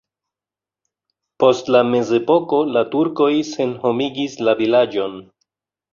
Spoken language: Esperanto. Post la mezepoko la turkoj senhomigis la vilaĝon.